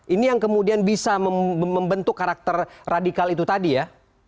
ini yang kemudian bisa membentuk karakter radikal itu tadi ya